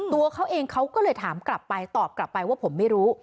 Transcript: ตัวเขาเองเขาก็เลยถามกลับไปตอบกลับไปว่าผมไม่รู้